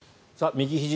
右ひじ